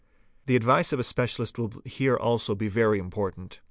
The advice of a specialist ~ will here also be very important.